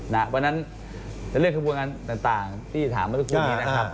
นะครับวันนั้นในเรื่องของการทำงานต่างที่ถามเมื่อสุดนี้นะครับ